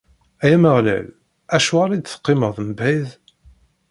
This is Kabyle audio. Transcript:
Ay Ameɣlal, acuɣer i d-teqqimeḍ mebɛid?